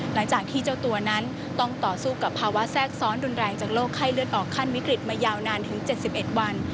หลังจากที่เจ้าตัวนั้นต้องต่อสู้กับภาวะแทรกซ้อนรุนแรงจากโรคไข้เลือดออกขั้นวิกฤตมายาวนานถึง๗๑วัน